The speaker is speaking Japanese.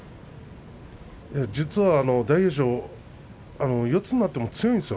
実は大栄翔、四つになっても強いんですよ